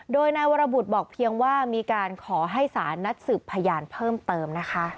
โดยนายวรบุตรบอกเพียงว่ามีการขอให้สารนัดสืบพยานเพิ่มเติมนะคะ